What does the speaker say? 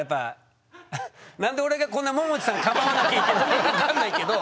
何で俺がこんなももちさんかばわなきゃいけないのか分かんないけど。